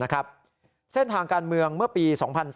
เส้นทางการเมืองเมื่อปี๒๔